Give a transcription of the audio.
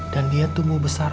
dan dia tumbuh besar